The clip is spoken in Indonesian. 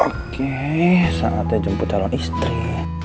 oke saatnya jemput calon istri